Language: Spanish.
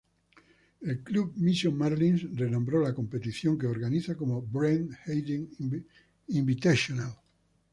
El club "Mission Marlins" renombró la competición que organiza como "Brent Hayden Invitational".